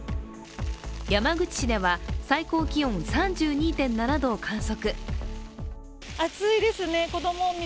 山口市では最高気温３２．７度を観測。